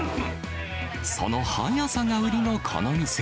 その早さが売りのこの店。